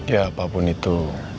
ya apapun itu